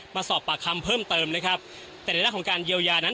มาสอบปากคำเพิ่มเติมนะครับแต่ในเรื่องของการเยียวยานั้น